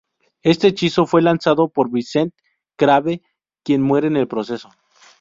Este hechizo fue lanzado por Vincent Crabbe, quien muere en el proceso.